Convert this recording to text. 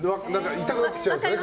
痛くなってきちゃいますよね